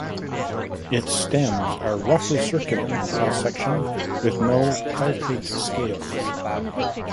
Its stems are roughly circular in cross section with no peltate scales.